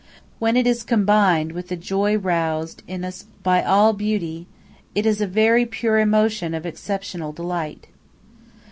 When it is combined with the joy roused in us by all beauty, it is a very pure emotion of exceptional delight.